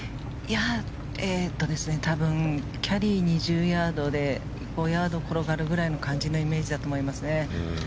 多分キャリー２０ヤードで５ヤード転がるくらいの感じのイメージだと思います。